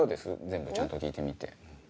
全部ちゃんと聞いてみて。